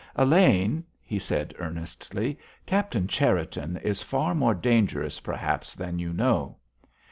"Elaine," he said, earnestly, "Captain Cherriton is far more dangerous, perhaps, than you know."